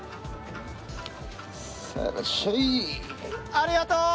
ありがとう！